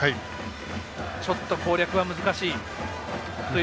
ちょっと攻略は難しいという。